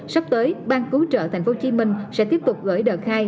sắp tới ban cứu trợ tp hcm sẽ tiếp tục gửi đợt khai